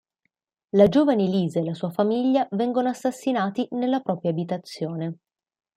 La giovane Lisa e la sua famiglia vengono assassinati nella propria abitazione.